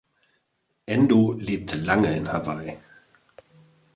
Endo lebte lange in Hawaii.